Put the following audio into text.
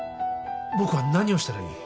僕は何をしたらいい？